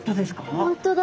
本当だ。